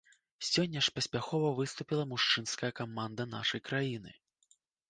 Сёння ж паспяхова выступіла мужчынская каманда нашай краіны.